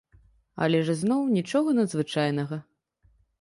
Але ж ізноў, нічога надзвычайнага.